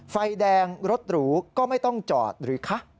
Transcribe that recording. ไฟแดงรถหรูก็ไม่ต้องจอดหรือคะ